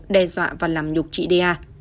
đe dọa và làm nhục chị đê a